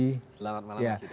selamat malam mas dedy